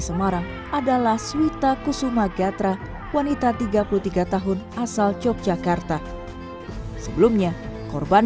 semarang adalah swita kusuma gatra wanita tiga puluh tiga tahun asal yogyakarta sebelumnya korban